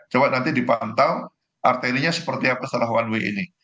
coba nanti dipantau arterinya seperti apa setelah one way ini